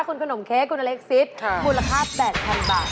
คุณขนมเค้กคุณเล็กซิตคุณราคา๘๐๐๐บาท